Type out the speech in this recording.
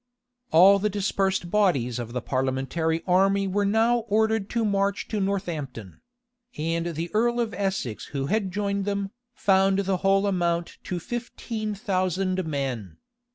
All the dispersed bodies of the parliamentary army were now ordered to march to Northampton; and the earl of Essex who had joined them, found the whole amount to fifteen thousand men.